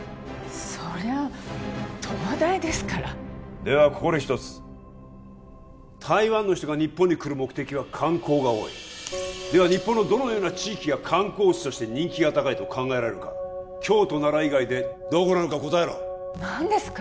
そりゃ東大ですからではここで１つ台湾の人が日本に来る目的は観光が多いでは日本のどのような地域が観光地として人気が高いと考えられるか京都・奈良以外でどこなのか答えろ何ですか？